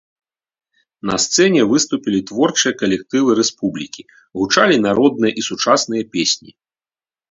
На сцэне выступілі творчыя калектывы рэспублікі, гучалі народныя і сучасныя песні.